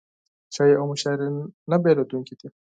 چای او مشاعره نه بېلېدونکي دي.